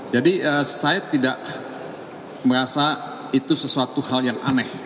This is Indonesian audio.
jadi saya tidak merasa itu sesuatu hal yang aneh